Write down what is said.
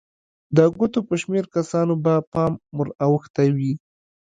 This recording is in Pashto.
د ګوتو په شمېر کسانو به پام ور اوښتی وي.